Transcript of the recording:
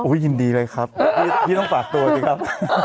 ยินดีเลยครับพี่ต้องฝากตัวสิครับ